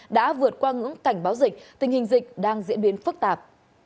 đã vượt qua ngưỡng cảnh báo dịch tình hình dịch đang diễn biến phức tạp